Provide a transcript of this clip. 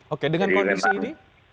oke dengan kondisi ini